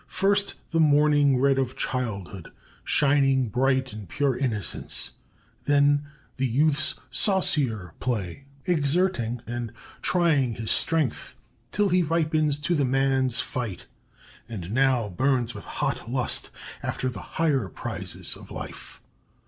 First the morning red of childhood, shining bright in pure innocence! Then the youth's saucier play exerting and trying his strength till he ripens to the man's fight, and now burns with hot lust after the higher prizes of life.